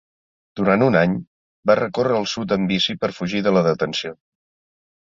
Durant un any, va recórrer el sud amb bici per fugir de la detenció.